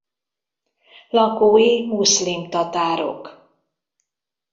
Lakói muszlim tatárok.